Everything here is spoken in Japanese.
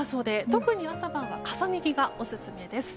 特に朝晩は重ね着がオススメです。